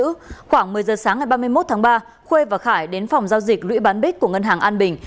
khoảng một mươi giờ sáng ngày ba mươi một tháng ba khuê và khải đến phòng giao dịch lũy bán bích của ngân hàng an bình